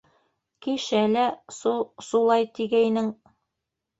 Кишә лә су-сулай тигәйнең...